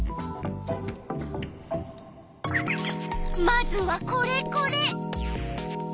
まずはこれこれ。